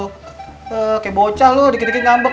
kayak bocah loh dikit dikit ngambek